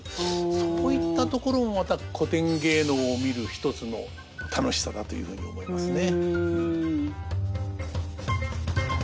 そういったところもまた古典芸能を見る一つの楽しさだというふうに思いますね。